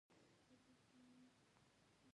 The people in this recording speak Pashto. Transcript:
د رســــــوا زاهـــــد عـــــــادت دی اوروي کاڼي د زهد